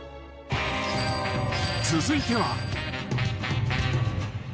続いては。